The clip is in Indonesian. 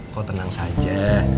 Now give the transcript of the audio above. kau tenang saja